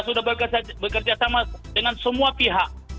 pemerintah kota sudah bekerja sama dengan semua pihak